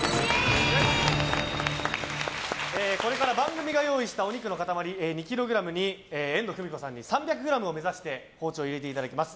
これから番組が用意したお肉の塊２ｋｇに遠藤久美子さんに３００ｇを目指して包丁を入れていただきます。